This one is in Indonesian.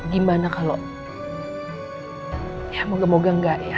gimana kalau ya moga moga enggak ya